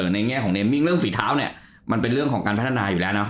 ในแง่ของเมมมิ่งเรื่องฝีเท้าเนี่ยมันเป็นเรื่องของการพัฒนาอยู่แล้วนะ